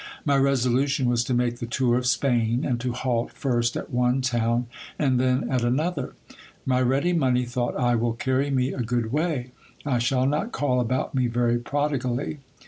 My resolution was to make the tour of Spain, and to halt first at ore town and then at another. My ready money, thought I, will carry me a gcod way ; I shall not call about me very prodigally.